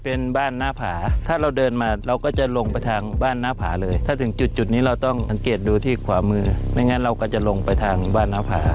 เป็นบ้านหน้าผาถ้าเราเดินมาเราก็จะลงไปทางบ้านหน้าผาเลยถ้าถึงจุดนี้เราต้องสังเกตดูที่ขวามือไม่งั้นเราก็จะลงไปทางบ้านหน้าผา